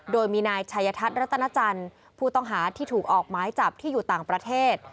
โดยมีนายชัยธรรตนจรผู้ต้องหาที่ถูกออกไม้จับที่อยู่ต่างประเทศ